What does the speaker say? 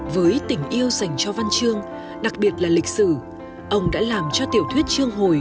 với tình yêu dành cho văn chương đặc biệt là lịch sử ông đã làm cho tiểu thuyết chương hồi